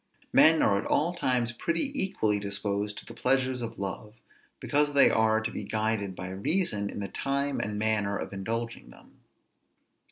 Men are at all times pretty equally disposed to the pleasures of love, because they are to be guided by reason in the time and manner of indulging them.